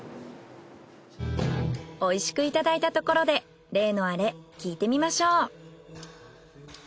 美味しくいただいたところで例のアレ聞いてみましょう。